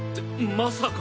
まさか！